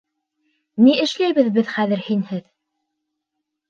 Ни эшләйбеҙ беҙ хәҙер һинһеҙ!